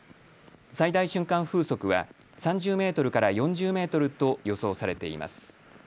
最大瞬間風速は３０メートルから４０メートルと予想されています。